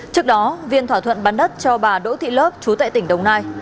trước đó viên thỏa thuận bán đất cho bà đỗ thị lớp chú tại tỉnh đồng nai